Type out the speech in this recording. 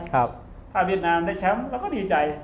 ถ้าเวียดนามได้แชมป์เราก็ดีใจ